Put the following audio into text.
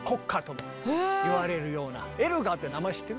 エルガーって名前知ってる？